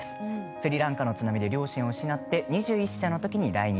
スリランカの津波で両親を失って２１歳の時に来日。